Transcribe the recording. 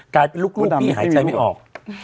กลายเป็นลูกรุ่นพี่หายใจไม่ออก